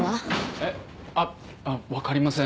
えっ？あっわかりません。